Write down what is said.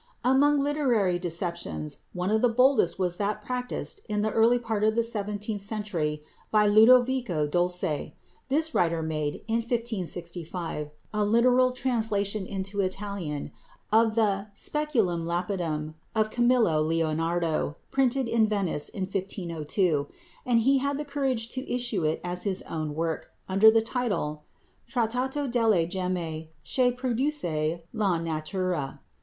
Among literary deceptions one of the boldest was that practised in the early part of the seventeenth century by Ludovico Dolce. This writer made, in 1565, a literal translation into Italian of the "Speculum lapidum" of Camillo Leonardo, printed in Venice in 1502, and he had the courage to issue it as his own work, under the title "Trattato delle gemme chè produce la natura."